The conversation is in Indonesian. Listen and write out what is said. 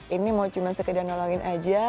ini mau cuma sekedar nolongin aja